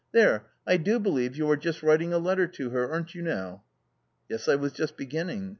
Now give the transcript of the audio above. There, I do believe you are just writing a letter to her, aren't you now?" " Yes, I was just beginning."